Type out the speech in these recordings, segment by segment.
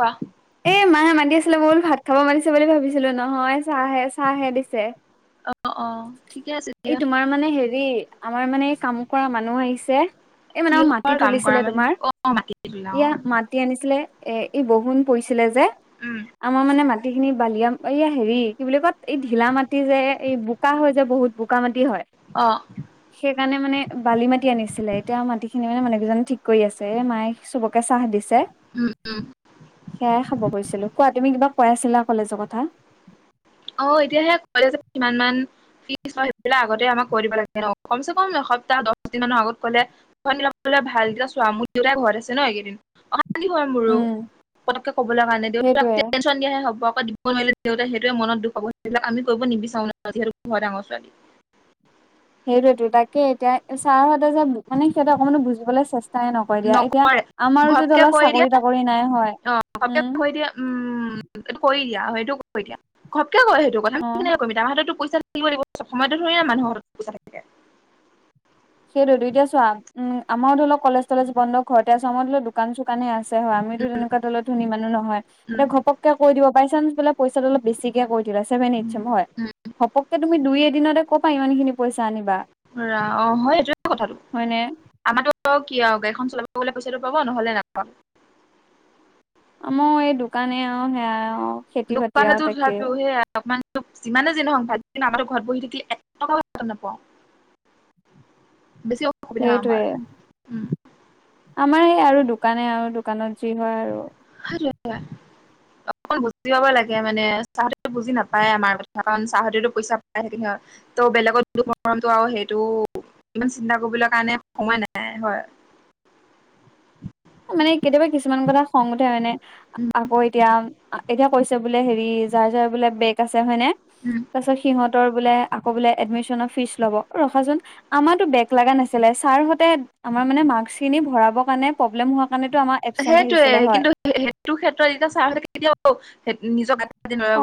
কোৱা? এ মাহে মাতি আছিলে বৌল ভাত খাব মাতিছে বুলি ভাবিছিলোঁ নহয় চাহে-চাহে দিছে। অ', অ', ঠিকে আছে এই দিয়া। তোমাৰ মানে হেৰি আমাৰ মানে কাম কৰা মানুহ আহিছে। এই মানে অ, মাটি কিহৰ কাম কৰা তুলিছিলে মানুহ তোমাৰ। অ মাটি তোলা ইয়া অ মা টি আনিছিলে এ এই বৰষুণ পৰিছিলে যে। উম। আমাৰ মানে মাটি খিনি বালিয়া এই হেৰি কি বুলি কত এই ঢিলা মাটি যে এই বু বোকা হয় যে বহুত বোকা মাটি হয়। অ'। সেইকাৰণে মানে বালি মাটি আনিছিলে এতিয়া মাটি খিনি মানে মানুহকেইজনে ঠিক কৰি আছে মায়ে চবকে চাহ দিছ ছে উম উম সেয়াই খাব গৈছিলো কোৱা তুমি কিবা কৈ আছিলা কলেজৰ কথা অ এতিয়াহে কলেজ কিমানমান। ফিজ হয় সেইবিলাক আগতে আমাক কৰি দিব লাগে ন কমচে কম এসপ্তাহ দহ দিন মানৰ আগত কলে খন [unintelligible] ফিলাপ কৰিবলে ভাল এতিয়া চোৱা মোৰ দেউতা ঘৰত আছে ন এইকেইদিন। অশান্তি হয় মোৰো উম পতকে ক'বলৈ কাৰণে দেউতাক সেইটোয়ে। [unintelligible] চন দিয়াহে হ'ব আকৌ দিব নোৱাৰিলে দিওঁতাই সেইটোৱে মনত দুখ পাব সেইবিলাক আমি কৰিব নিবিচাৰোঁ ন যিহেতু ঘৰৰ ডাঙৰ ছোৱালী। সেইটোৱেতো তাকে এতিয়া চাৰ হতে যে বোকনে সিহঁতে অকনমানো বুজিবলৈ চেচ তাই নকৰে দিয়া এতিয়া আমাৰোতো ঘপকে কৈ অলপ দিয়ে চাকৰি তাকৰি নাই হয়। অ ঘপকে উম। কৈ দিয়ে উম, এইটো কৰি দিয়া সেইটো কৰি দিয়া ঘপকে কয় সেইটো কথা অ আমি কেনেকে কৰিম আমাৰ হাতত তো পইচা থাকিব লাগিব ছব সময়তে থৰিনা মানুহৰ পইচা থাকে। সেইটো এতিয়া চোৱা, উম, আমাৰ ধৰি লোৱা কলেজ তলেজ বন্ধ ঘৰতে আছে আমাৰ ধৰি ল দো কান চুকানে আছে হয় আমিতো তেনেকুৱা তলত ধনি মানো নহয়। উম এতিয়া ঘপক কৈ দিব বাই চান্স বোলে পইচাটো অলপ বেছিকে কৈ দিলে ছেভেন এইট উম চেম হয়। উম ঘপককে তুমি দুই এদিনতে কবা ইমান খিনি পইচা আনিবা? অ হয় এইটোয়ে কথাটো। হয়নে? আমাৰো কি আৰু গাড়ীখন চলাব গলে পইচাটো পাব নহ'লে নাপাওঁ। আমাৰ এই দোকানে আৰু সেয়া অ দোকানতো তথাপিও সেয়া অমান যিমানে যে নহওক ভাজিন [unintelligible] আমাৰো ঘৰত বহি থাকিলি এক টকাও ইনকাম নাপাওঁ। বেছি অ সেইটোৱে আমাৰ এই আৰু দোকানে আও দোকানত যি হয় আৰু সেইটোৱে অকণ বুজিব পাব লাগে মানে চাহতিটো বুজি নাপায় আমাৰ কথা কাৰণ চাহতিতো পইচা পাই থাকে সিহঁত। ত বেলেগত দুখ মৰমটো আৰু সেইটো ইমান চিন্তা কৰিবলৈ কাৰণে সময় নাই হয়। মানে কেতিয়াবা কিছুমান কথা খং উঠে মানে আকৌ এতিয়া, এতিয়া কৈছে বোলে হেৰি যাৰ যাৰ বোলে বেগ আছে হয়নে। উম, তাৰ পাছত সিহঁতৰ বোলে আকৌ বোলে এডমিশনৰ ফিজ ল'ব ৰখাচোন। আমাৰো বেগ লগা নাছিলে ছাৰ হতে আমাৰ মানে মাৰ্ক্সখিনি ভৰাবকৰণে প্ৰব্লেম হোৱা। সেইটোয়ে কিন্তু সেইটো ক্ষেত্ৰত এতিয়া চাই হৈ থাকে কেতিয়াও নিজক,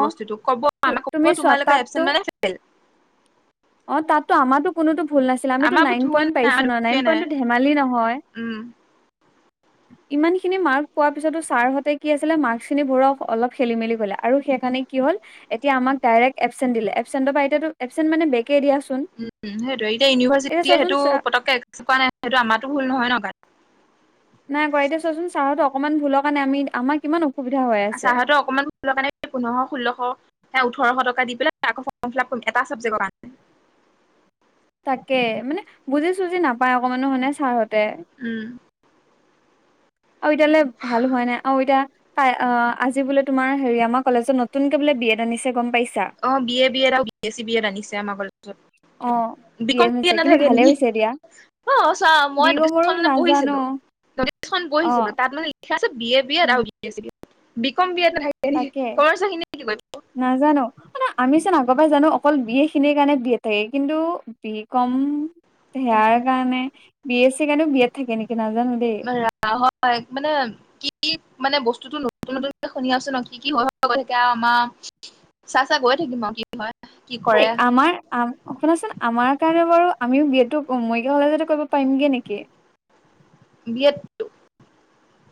অ বস্তুটো ক'ব আমি ক'ব তুমি চোৱা তোমালোকে তাততো এচেণ্ট মানে, অ তাতো আমাৰো কোনো ভুল নাছিলে আমিতো আমাৰ নাইন ভুল পইণ্ট নাই পাইছো আমাৰ ন দোষে নাইন নাই পইণ্টতো ধেমালি নহয়। উম। ইমান খিনি মাৰ্ক পোৱাৰ পিছতো ছাৰ হঁতে কি আছিলে মাৰ্ক খিনি বোৰক অলপ খেলি মেলি কলা, আৰু সেইকাৰণে কি হল এতিয়া আমাক ডাইৰেক্ট এবচেন্ট দিলে এবচেণ্টৰ পৰা এতিয়া এবচেণ্ট মানে বেকে দিয়া। উম সেইটোয়ে এতিয়া ইউনিভাৰ্চিটিলে সেইটো চা পতককে একোৱা নাই সেইটো আমাৰো ভুল নহয় ন তাত। নাই কৰা এতিয়া চোৱাচোন চাহত অকণমান ভুলৰ কাৰণে আমি আমাৰ কিমান অসুবিধা, হৈ আছে চাহতো অকমান, কাৰণে পোন্ধশ ষোল্লশ ওঠৰশ টকা দি পেলাই আক ফম ফিলাপ এটা চাবজেক্ট কাৰণে। তাকে মানে বুজি চুজি নাপায় অকমানো মানে ছাৰহতে। উম, আৰু এতিয়াললে ভাল হোৱ নাই আৰু এতিয়া। অ আজি বোলে তোমাৰ হেৰি আমাৰ কলেজত নতুনকে বোলে বি এড আনিছে গম পাইছা। অ বি এ বি এড আৰু B S C B Ed আনিছে আমাৰ কলেজত। অ বি বিকম এড আনিছে কিন্তু নাথাকে ভালে নেকি হৈছে দিয়া অ চোৱা বি মই কমৰো মানে নাজানো পঢ়িছিলো। খন অ বহিছিলো তাত মানে লিখা আছে বি এ বি এড আৰু উম বি এছ বি বি কম বি এড থাক, এনেক তাকে খৰচা খিনিয়ে কৰিম। নাজানো মে আমিচোন আগৰ পৰা জানো অকল বিয়ে খিনিৰ কাৰণে বিয়ে এড থাকে কিন্তু, বিকম সেয়াৰ কাৰণে, বি এ চি কাৰণে বি এত থাকে নেকি নাজানো দেই। হ, হয় মানে। কি মানে বস্তুতটো নতুন নতুনক শুনি আছে ন কি কি হয় লগত থাকে আমাৰ চা চা গৈ থাকিম আও কি হয় কি ঐ কৰে আমাৰ, শুনাচোন আমাৰ কাৰণে বাৰু আমিও বি এডটো মৰিকা কলেজতে কৰিব পাৰিমগে নেকি। বি এড,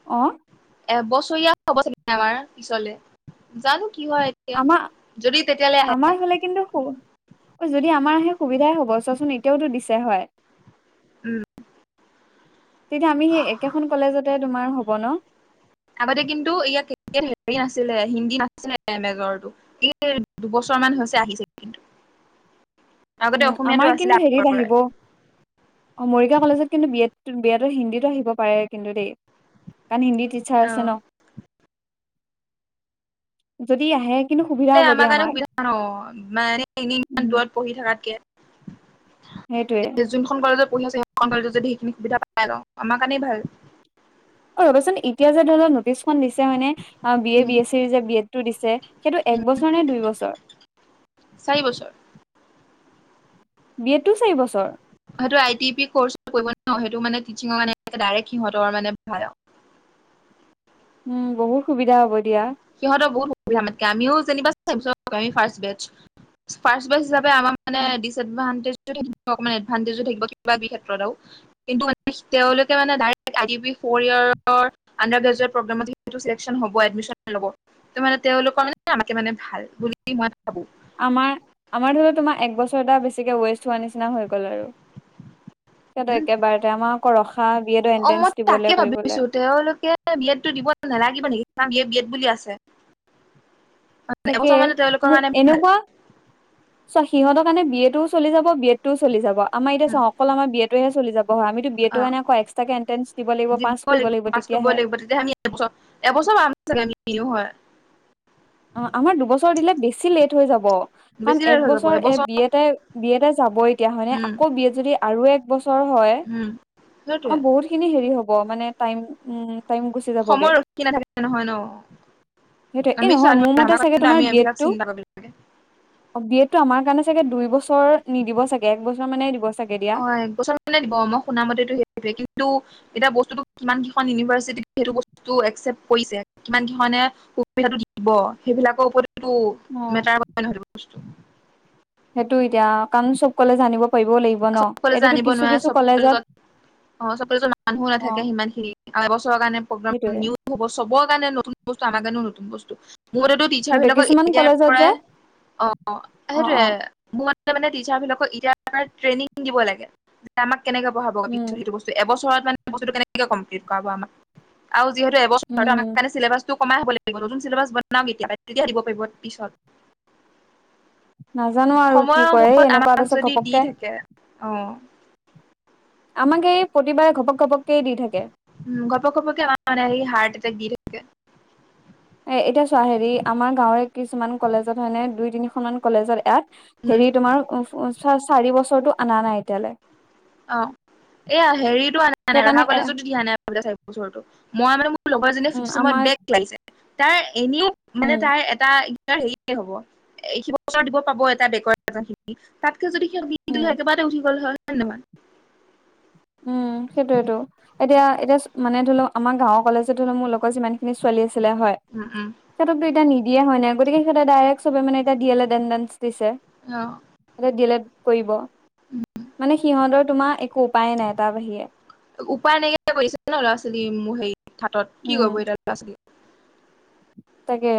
অ, এবছৰীয়া হব চাগ আমাৰ পিছলে জানো কি হয়। এতিয়া আমাৰ যদি তেতিয়ালৈ আহে আমাৰ হলে, কিন্তু অ যদি আমাৰ আহে সুবিধাই হব চোৱাচোন এতিয়াওতো দিছে হয়। উম। তেতিয়া আমি সেই একেখন কলেজতে তোমাৰ হব ন। আগতে কিন্তু ইয়াত কে হেৰি নাছিলে হিন্দী নাছিলে মেজৰটো। এ দুবছৰ মান হৈছে আহিছে কিন্তু। উম আগতে আমাৰ অসমীয়াটো আছিলে কিন্তু হেৰিত আগৰ পৰাই। আহিব অ মৰিগাঁও কলেজত কিন্তু বি এ বি এডত হিন্দী আহিব পাৰে কিন্তু দেই কাৰণ হিন্দী ইচ্ছা আছে অ ন, যদি আহে কিন্তু সুবিধা হ'ব আমাৰ দিয়া কাৰণে সুবিধা ন মানে এনেই ইমান উম দূৰত পঢ়ি সেইটোয়ে থাকাতকে। যোনখন কলেজত পঢ়ি আছে, সেইখন কলেজত যদি সেইখিনি সুবিধা পাই লওঁ আমাৰ কাৰণেই ভাল। অ ৰ'বাচোন, এতিয়া যে ধৰি লক নটিচখন দিছে মানে B A B S C যে বি এড টো দিছে। সেইটো এক বছৰ নে দুই বছৰ। চাৰি বছৰ। বি এত টো চাৰি বছৰ? সেইটো আই টি পি কৰচ ন সেইটো মানেটিচিঙ মানে ডৰেক সিহতৰ মানে ভাল। উম বহুত সুবিধা হ'ব দিয়া। সিহঁতৰ বহুত সুবিধা আমাতকে আমিও যেনিবা same first batch. First batch হিচাপে আমাৰ মানে ডিচএডভানটেজ তো থাকিব অকমান এডভানতেজো থাকিব কিবা কিবি খেত্ৰত আও কিন্তু তেওঁলোকে মানে the I P B for ইয়েৰৰ আনডাৰ গ্ৰেজুৱেট প্ৰবলেমত, সেইটো চিলেকচন হবয়ে এডমিশন লব ত' মানে তেওঁলোকৰ আমাতকে মানে ভাল বুলি মই ভাবো। আমাৰ আমাৰ ধৰি লওক তোমাৰ একবছৰ এটা, বেছিকে ৱেষ্ট হোৱা নিচিনা হৈ গ'ল আৰু। সিহঁতৰ উম একেবাৰতে আমাৰ আকৌ ৰখা, বি এডৰ অ মই এণ্ট্ৰেন্ঞ্চ তাকে দিবলৈ ভাবিছো কৰিবলৈ। তেওঁলোকে বি এত টো দিব নালাগিব নেকি? কাৰণ ইয়াত বি এড বুলি আছে। তাকে, এবছৰ মানে তেওঁলোকৰ মোক কাৰণে এনেকুৱা। চোৱা, সিহঁতৰ কাৰণে বি এ টোও চলি যাব বি এড টো চলি যাব আমাৰ এতিয়া চোৱা অকল আমাৰ বি এ টোহে চলি যাব হয় আমি বি এদ অ টোৰ কাৰণে আকৌ এক্সট্ৰাকে এণ্ট্ৰেঞ্চ দিব লাগিব পাচ কৰিব লাগিব পাছ কৰিব তেতিয়াহে। লাগিব তেতিয়া আমি এবছৰ [unintelligible] অ' আমাৰ দুবছৰ দিলে বেছি লেট হৈ যাব। কাৰণ বেছি এক দেৰি হৈ যাব বছৰ এ এবছৰ বিএ তে বি এড তে যাব এতিয়া, হয়নে উম আকৌ বি এ যদি। আৰু এক বছৰ হয়, উম অ সেইটোৱে বহুত। খিনি হেৰি হব, মানে তাইম উম তাইম সময় ৰখি নাথাকে নহয় ন। সেইটোৱে এই আমি নহয় ছোৱালি মোৰ মতে চাগে মানুহ তোমাৰ আমি বি এইবিলাক এডটো চিন্তা কৰিব লাগে বিশেষকে। অ' বি এড টো আমাৰ কাৰণে চাগে দুই বছৰ নিদিব চাগে একবছৰ মানে দিব চাগে। দিয়া অ' এক বছৰ মানে দিব মই শুনা মতেতো সেইটোৱে কিন্তু। এতিয়া বস্তুটো কিমান কেইখন ইউনিভাৰ্চিটিত সেইটো বস্তু একচেপ্ট কৰিছে কিমান ধৰনে সুবিধাটো দিব সেইবিলাকৰ ওপৰতটো অ মেটাৰ ন হব বস্তু। সেইটো এতিয়া, কাৰণ চব কলেজ আনিব পাৰিব লাগিব। ন চব কলেজে এইটোতো আনিব কিছু নোৱাৰে কিছু চব কলেজত অ' চব কলেজত মানুহ অ নাথাকে সিমান খিনি, আৰু এবছৰৰ কাৰণে প্ৰগ্ৰেম সেইটোয়ে হ'ব চবৰ কাৰণে নতুন বস্তু আম কাৰণেও নতুন বস্তু মোৰমতেতো। টিচাৰ সেইটোয়ে বিলাকক কিছুমান এতিয়াৰ কলেজত যে পৰাই অ' অ সেইটোৱে। অ মোৰ মতে মানে টিচাৰ বিলাকক এতিয়া ট্ৰেইনিং দিব লাগে, যে আমাক কেনেকে পঢ়াব পাৰিব উম সেইটো বস্তু। তে এবছৰত মানে বস্তটো কেনেকে কমপ্লিট কৰাব আমাক আৰু যিহেতু এবছ আমাৰ উম কাৰণে চিলেবাছটো কমাই হ'ব লাগিব, নতুন চেবছ বনাওক এতিয়া তেতিয়াহে দিব পাৰিব পিছত। নাজানো। আৰু কি সময়ৰ কয় এই মুৰত এনেকুৱা আমাক তাৰপিছত যদি দি ঘপককে থাকে অ'। আমাক এই প্ৰতিবাৰে ঘপক ঘপককে দি থাকে। উম, ঘপক ঘপককে মানে হাৰট এটেক্ত দি থাকে। এ এতিয়া চোৱা হেৰি আমাৰ গাঁৱৰে কিছুমান কলেজত হয় নে দুই তিনিখন মান কলেজত ইয়াত। উম, হেৰি তোমাৰ চাৰি বছৰটো অনা নাই এতিয়ালৈ। অ', এয়া হেৰিতটো আনা নাই ৰহা সেইকাৰণে এ কলেজতো দিয়া নাই চাৰি বচৰটো। মই মানে মোৰ লগৰ এজনীয়ে উম ফিফ চেমত আমাৰ বেক লাগিছে তাৰ এনেও মানে উম তাইৰ এটা হেৰিয়ে হ'ব সিবছৰ দিব পাব এটা বেকৰ এটা তাতকে যদি সিক দি নিদিলে উম একেবাৰতে উঠি গ'ল হয় হয়নে নহয়। উম সেইটোয়েটো। এতিয়া এতিয়া মানে ধৰি লও আমাৰ গাঁওৰ কলেজত ধৰিলওক মোৰ লগত যিমান খিনি ছোৱালী আছিলে হয়। উম উম। সিহঁতকটো এতিয়া নিদিয়ে হয়নে গতিকে সিহঁতে দাইৰেক্ট দিয়েলেদ এন্ত্ৰেঞ্চ দিছে। অ' সিহঁতে দিএলেড কৰিব মানে সিহঁতৰ তোমাৰ একো উপায়ে নাই তাৰ বাহিৰে। উপায় নাইকিয়া কৰিছে ন ল'ৰা ছোৱালী মোৰ হেৰি হাতত কি উম কৰিব এতিয়া ল'ৰা ছোৱালী। তাকে।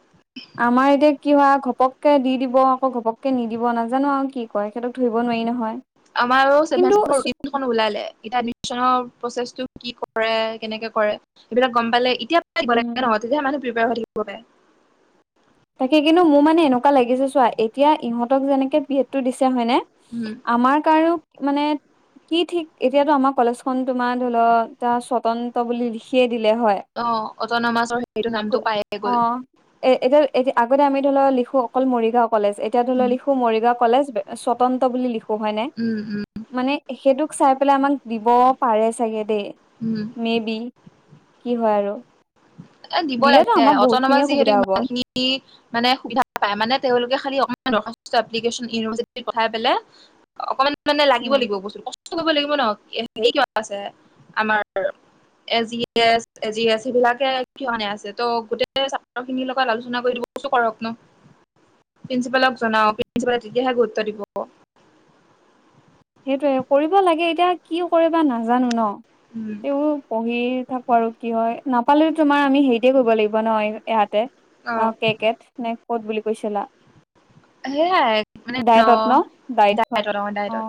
[unintelligible] আমাৰ এতিয়া কি হয় ঘপককে দি দিব আকৌ ঘপককে নিদিব নাজানো আৰু কি কয় তেখেতক ধৰিব নোৱাৰি নহয়। আমাৰ আৰু কিন্তু [unintelligible] ৰুটিন দুখন ওলালে এতিয়া ছনৰ প্ৰচেছটো কি কৰে কেনেকে কৰে, সেইবিলাক গম পালে এতিয়া উম [unintelligible] তেতিয়া মানুহ প্ৰিপেয়াৰ হৈ থাকিব পাৰে। তাকে কিন্তু মোৰ মানে এনেকুৱা লাগিছে চোৱা এতিয়া ইহঁতক যেনেকে বি এডটো দিছে হয়নে? হুম, আমাৰ কাৰো, মানে কি ঠিক এতিয়াতো আমাৰ কলেজখন তোমাৰ ধৰি লোৱা, এটা স্বতন্ত্ৰ বুলি লিখিয়ে দিলে হয়। অ, ' অট'নোমাছৰ সেইটো নামটো পাইয়ে অ গ'ল। এ এতিয়া এতিয়া আগতে আমি ধৰি লোৱা লিখো অকল মৰিগাঁও কলেজ এতিয়া ধৰি লও উম লিখো মৰিগাঁও কলেজ এ স্বতন্ত্ৰ বুলি লিখো হয় নে? উম, উম, মানে সেইটোক চাই পেলাই আমাক দিব পাৰে চাগে দে, উম মেবি। কি হয় আৰু। এ দিব দিলেতো লাগে আমাৰ বহুত অট'নোমাছ খিনিয়ে যিহেতু সুবিধা হ'ব সিমানখিনি মানে সুবিধা পায় মানে তেওঁলোকে খালি দৰ্খাস্ত এপ্লিকেচন ইউনিভাৰ্চিটিলে পঠাই পেলাই অকমান মানে লাগিব উম লাগিব বস্তু কষ্ট কৰিব লাগিব ন' হেৰি কিবা আছে, আমাৰ আৰু। A G S A G S এইবিলাকে [unintelligible] আছে ত' গোটেই চাপৰ খিনিৰ লগত আলোচনা কৰি দিব কৈছো কৰক ন'? প্ৰিন্সিপালক জনাওক প্ৰিন্সিপালে তেতিয়াহে গুৰুত্ব দিব। সেইটোৱে কৰিব লাগে, এতিয়া কিয় কৰিবা নাজানো ন'। উম, পঢ়িয়ে থাকো আৰু কি হয়, নাপালেতো তোমাৰ আমি হেৰিতে কৰিব লাগিব ন', ইয়াতে। অ', কে কেত [unintelligible] বুলি কৈছিলা। সেয়াই, মানে ন' ডায়েটত ডায়েটখন ডাইটট অ, ডাইটত।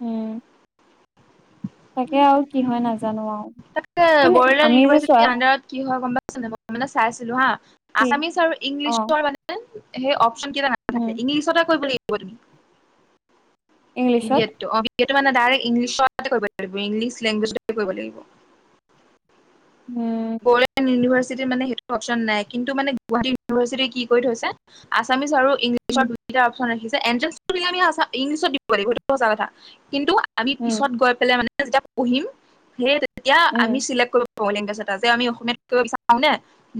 উম, তাকে আৰু কি হয় নাজানো। আৰু তাকে মানে বড়োলেণ্ড আমি যে চোৱা ইউনিভাৰ্চিটিৰ আডাৰত কি হয় গম পাইছা নে, মানে চাইছিলো হা কি আছামিছ আৰু অ ইংলিছটোৰ [unintelligible] [unintelligible] সেই অপশ্যন কেইটা নাথাকে উম ইংলিছতে কৰিব লাগিব তুমি। বি ইংলিছত এডটো অ বি এডটো মানে ডাইৰেক্ট ইংলিছতে কৰিব লাগিব ইংলিছ লেংগুৱেজটোত কৰিব লাগিব। উম, বড়োলেণ্ড ইউনিভাৰ্চিটিত মানে সেইটো অবচব নাই কিন্তু, গুৱাহাটী ইউনিভাৰ্চিটি মানে কি কৰি থৈছে আছামিছ আৰু ইংলিছত উম দুইটা অপচন ৰাখিছে এণ্ড জাষ্ট আমি ইংলিছত দিব লাগিব সেইটো সচা কথা, কিন্তু আমি উম পিছত গৈ পেলাই মানে যেতিয়া পঢ়িম, সেই তেতিয়া আমি উম চিলেক্ট কৰিব পাৰোঁ লিংগ আছে। তাতে আমি অসমীয়াত থাকিব বিচাৰো নে?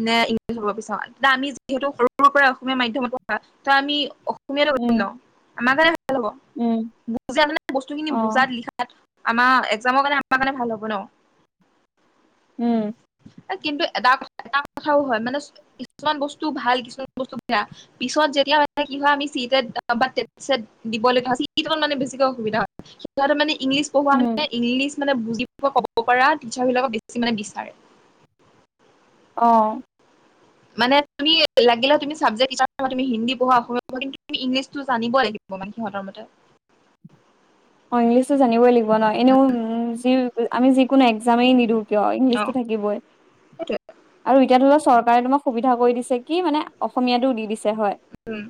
নে ইংলিছ হ'ব বিচাৰো তে আমি যিহেতু সৰুৰে পৰাই অসমীয়া মাধ্যমতে পঢ়া ত' আমি অ সমীয়া তে লিখিম উম ন' আমাৰ কাৰণে [unintelligible] হব উম বুজাই মানে বস্তু খিনি অ বুজাত লিখাত। তাত, আমাৰ এক্সামৰ কাৰণে আমাৰ কাৰণে ভাল হ'ব ন'। উম, কিন্তু এটা কথা এটা কথাও হয় মানে, কি-কিছুমান বস্তু ভাল কিছুমান বস্তু বেয়া। পিছত যেতিয়া আমাৰ কি হয় আমি চিটে [unintelligible] কিছুমান মানে বেছিকে অসুবিধা হয়। শিকোৱাটো মানে ইংলিছ পঢ়োৱা উম মানে ইংলিছ মানে বুজি পোৱা ক'ব পৰা টিচাৰ বিলাকক বেছি মানে বিচাৰে। অ', মানে তুমি লাগিলে তুমি চাবজেক্ট টিচাৰ পাবা তুমি হিন্দী পঢ়া অসমীয়া পঢ়া কিন্তু তুমি ইংলিছটো জানিব লাগিব। [unintelligible] সিহঁতৰ মতে। অ', ইংলিছটো জানিবই লাগিব ন' এনেও উম, যি আমি যিকোনো এক্সামেই নিদো। কিয় ইংলিছটো অ' থাকিবই, সেইটোৱে আৰু এতিয়া ধৰা চৰকাৰে তোমাক সুবিধা কৰি দিছে কি মানে অসমীয়াতটো দি দিছে হয়। উম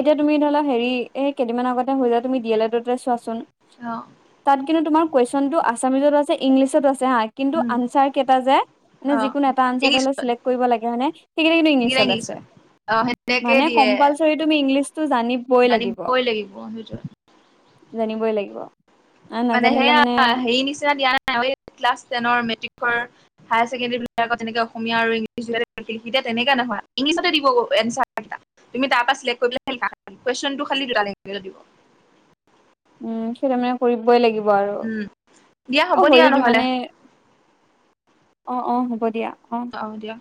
এতিয়া তুমি ধৰি লোৱা হেৰি এই কেইদিনমান আগতে হেয়া তুমি ডি এল এডতে চোৱাচোন। অঁ তাত কিন্তু তোমাৰ কুৱেশনটো আছামিজতো আছে ইংলিছতো আছে হা। কিন্তু উম, আনচাৰ কেইটা যে মানে অ' যিকোনো এটা আনচাৰ হলে ইংলিছত চেক্ট কৰিব লাগে হয়ানে সেইকেইটা কিন্তু ইংলিছত আছে। অ' সেনেকে মানে দিয়ে কম্পালচৰি তুমি ইংলিছটো জানিবই লাগিব। জানিবই লাগিব [inaudible] জানিবই লাগিব। আ মানে নাজানিলে সেয়া হেৰি নিচিনা দিয়া নাই ক্লাছ টেনৰ মেট্ৰিকৰ। হায়াৰ ছেকেণ্ডাৰী বিভাগৰ তেনেকে অসমীয়া আৰু ইংলিছ তেনেকে নহয়, ইংলিছতে দিব আচাৰ কেইটা। তুমি তাৰ পৰা চিলেক্ট কৰিব কুৱেচনটো খালি দুটা লেংগুৱেজত দিব উম সেই তাৰ মানে কৰিবই লাগিব আৰু উম দিয়া হ'ব অ দিয়া কৰি নহ'লে মানে অঁ অঁ হ'ব দিয়া অঁ। অঁ দিয়া।